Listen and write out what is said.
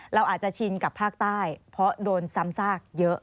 เราอาจจะชินกับภาคใต้เพราะโดนซ้ำซากเยอะ